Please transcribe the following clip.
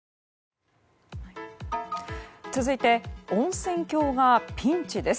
続いて温泉郷がピンチです。